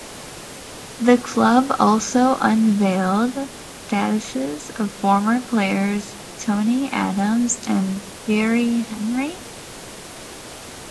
The club also unveiled statues of former players Tony Adams and Thierry Henry.